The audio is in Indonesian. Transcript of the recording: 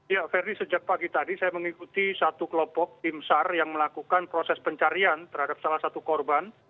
ya ferdi sejak pagi tadi saya mengikuti satu kelompok tim sar yang melakukan proses pencarian terhadap salah satu korban